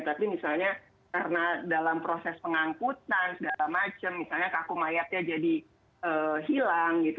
tapi misalnya karena dalam proses pengangkutan segala macam misalnya kaku mayatnya jadi hilang gitu